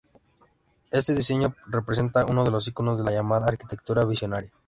Este diseño representa uno de los iconos de la llamada arquitectura visionaria.